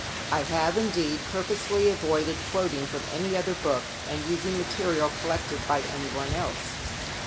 I have, indeed, purposely avoided quoting from any other book and using material collected by anyone else.